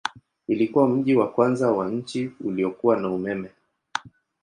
Ilikuwa mji wa kwanza wa nchi uliokuwa na umeme.